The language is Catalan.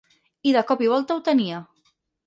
I de cop i volta ho tenia.